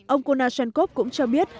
ông konashenkov cũng cho biết